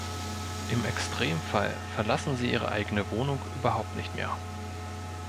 Im Extremfall verlassen sie ihre eigene Wohnung überhaupt nicht mehr.